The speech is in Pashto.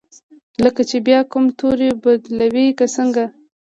لکه چې بیا کوم توری بدلوي که څنګه؟